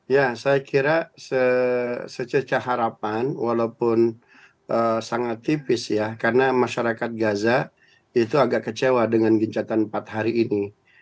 ya saya kira sececah harapan walaupun sangat tipis ya karena masyarakat gaza itu agak kecewa dengan gencatan empat hari ini